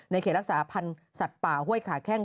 เขตรักษาพันธ์สัตว์ป่าห้วยขาแข้ง